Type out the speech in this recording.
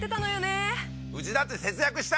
うちだって。